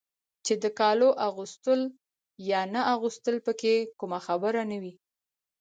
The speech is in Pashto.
چې د کالو اغوستل یا نه اغوستل پکې کومه خبره نه وای.